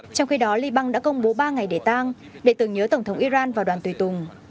trong khi đó liban đã công bố ba ngày để tang để tưởng nhớ tổng thống iran và đoàn tùy tùng